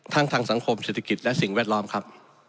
ทางสังคมเศรษฐกิจและสิ่งแวดล้อมครับ